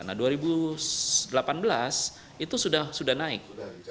nah dua ribu delapan belas itu sudah naik